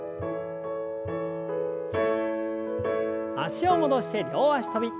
脚を戻して両脚跳び。